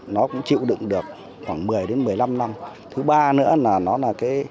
nó cũng chịu đựng được khoảng một mươi một mươi năm năm